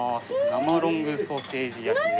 生ロングソーセージ焼きです。